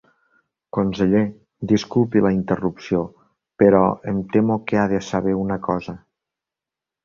Conseller, disculpi la interrupció, però em temo que ha de saber una cosa.